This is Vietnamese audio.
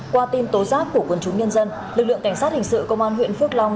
qua tin tố giác của quân chúng nhân dân lực lượng cảnh sát hình sự công an huyện phước long